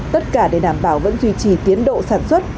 tất cả để đảm bảo vẫn duy trì tiến độ sản xuất